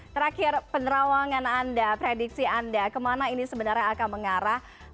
terakhir penerawangan anda prediksi anda kemana ini sebenarnya akan mengarah